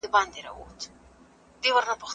د اولادونو سمه روزنه د چا دنده ده؟